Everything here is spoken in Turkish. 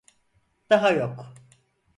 Daha yok.